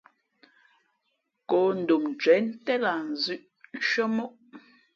Kǒ ndom ncwěn ntén lah nzʉ̄ʼ shʉ́ά móʼ.